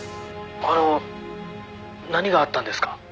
「あの何があったんですか？」